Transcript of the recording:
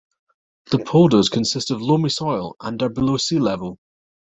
The polders consist of loamy soil and are below sea level.